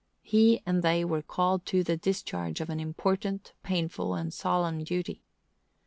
He and they were called to the discharge of an important, painful, and solemn duty.